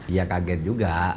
dia kaget juga